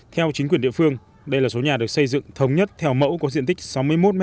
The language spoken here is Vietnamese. theo chính quyền địa phương đây là số nhà được xây dựng thống nhất theo mẫu có diện tích sáu mươi một m hai